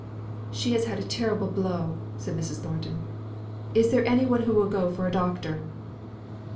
"She has had a terrible blow," said Mrs. Thornton. "Is there any one who will go for a doctor?"